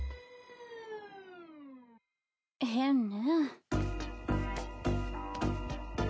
変ね。